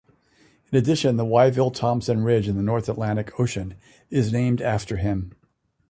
In addition the Wyville-Thomson Ridge in the North Atlantic Ocean is named after him.